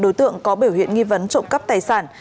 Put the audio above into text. đối tượng có biểu hiện nghi vấn trộm cắp tài sản